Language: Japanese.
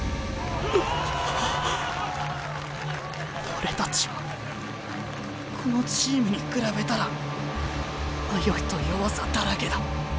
俺たちはこのチームに比べたら迷いと弱さだらけだ。